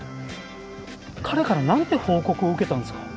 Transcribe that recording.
彼からなんて報告を受けたんですか？